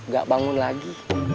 gak bangun lagi